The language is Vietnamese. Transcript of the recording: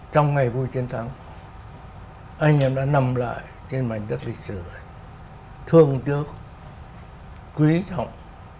trong ngày vui chiến thắng anh em đã nằm lại trên mảnh đất lịch sử thương tước quý trọng